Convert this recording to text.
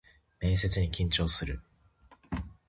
面接に緊張する